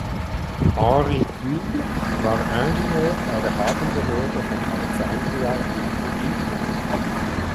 Henri Thuile war Ingenieur bei der Hafenbehörde von Alexandria in Ägypten.